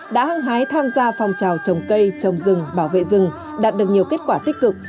đã hăng hái tham gia phong trào trồng cây trồng rừng bảo vệ rừng đạt được nhiều kết quả tích cực